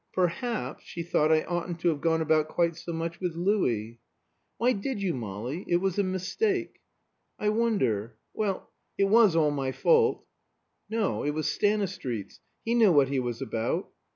Perhaps she thought I oughtn't to have gone about quite so much with Louis." "Why did you, Molly? It was a mistake." "I wonder Well, it was all my fault." "No; it was Stanistreet's. He knew what he was about."